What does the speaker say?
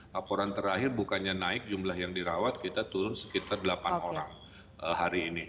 laporan terakhir bukannya naik jumlah yang dirawat kita turun sekitar delapan orang hari ini